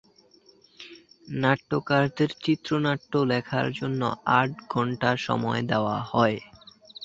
নাট্যকারদের চিত্রনাট্য লেখার জন্য আট ঘণ্টা সময় দেওয়া হয়।